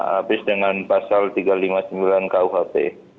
habis dengan pasal tiga ratus lima puluh sembilan kuhp